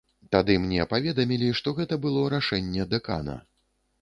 Тады мне паведамілі, што гэта было рашэнне дэкана.